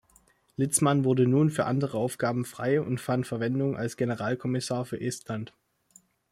Litzmann wurde nun für andere Aufgaben frei und fand Verwendung als Generalkommissar für Estland.